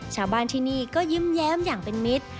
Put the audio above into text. ชาวบ้านที่นี่ก็ยิ้มแย้มอย่างเป็นมิตร